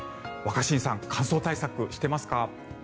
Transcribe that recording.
若新さん乾燥対策していますか？